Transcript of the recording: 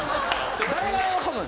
誰が喜ぶん？